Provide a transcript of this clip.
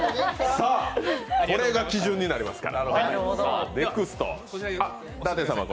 さあ、これが基準になりますから。